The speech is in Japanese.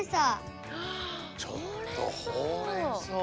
ちょっとほうれんそう。